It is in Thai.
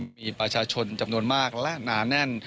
มีประชาชนจำนวนมากและหนาแน่น